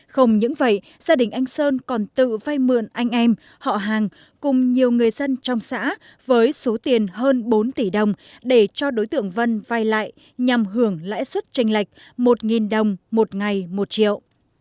không những vậy gia đình anh sơn còn tự vay mượn anh em họ hàng cùng nhiều người dân trong xã với số tiền hơn bốn tỷ đồng để cho đối tượng vân vay lại nhằm hưởng lãi suất tranh lệch một đồng một ngày một triệu